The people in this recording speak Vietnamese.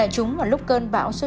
chúng vào lúc cơn bão số chín